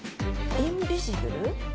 インビジブル？